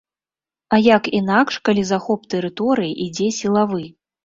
А як інакш, калі захоп тэрыторыі ідзе сілавы.